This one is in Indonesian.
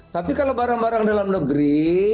tapi kalau barang barang dalam negeri